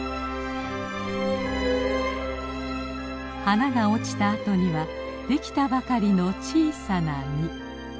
花が落ちたあとにはできたばかりの小さな実。